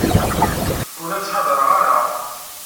Ur la ttḥadareɣ ara.